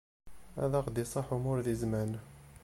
Ad ɣ-d-iṣaḥ umur di zzman.